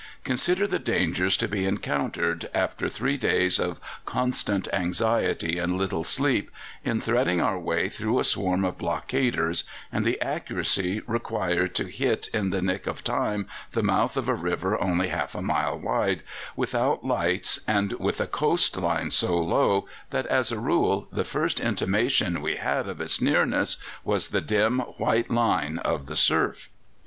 Consider the dangers to be encountered, after three days of constant anxiety and little sleep, in threading our way through a swarm of blockaders, and the accuracy required to hit in the nick of time the mouth of a river only half a mile wide, without lights, and with a coast line so low that as a rule the first intimation we had of its nearness was the dim white line of the surf."